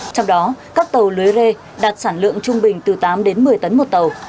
trong đó các tàu lưới rê đạt sản lượng trung bình từ tám đến một mươi tấn một tàu